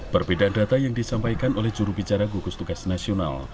perbedaan data yang disampaikan oleh jurubicara gugus tugas nasional